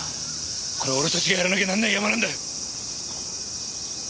これは俺たちがやらなきゃなんないヤマなんだ！